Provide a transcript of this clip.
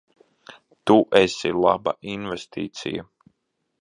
Tu esi laba investīcija.